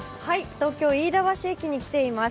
東京・飯田橋駅に来ています